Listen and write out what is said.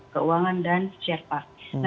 keuangan dan syarikat